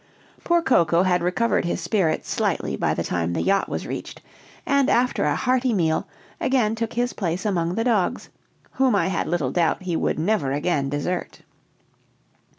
Poor Coco had recovered his spirits slightly by the time the yacht was reached; and, after a hearty meal, again took his place among the dogs, whom I had little doubt he would never again desert.